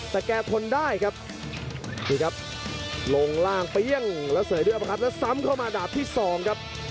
แต่แกทนได้ครับดูครับลงล่างเปรี้ยงแล้วเสยด้วยอภัทแล้วซ้ำเข้ามาดาบที่สองครับ